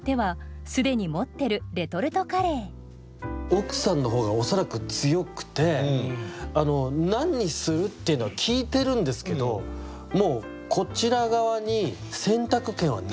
奥さんの方が恐らく強くて「何にする？」っていうのは聞いてるんですけどもうこちら側に選択権はないんですよ。